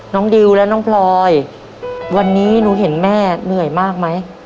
ดิวและน้องพลอยวันนี้หนูเห็นแม่เหนื่อยมากไหม